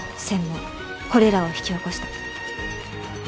せん妄これらを引き起こした。